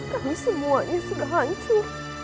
kami semuanya sudah hancur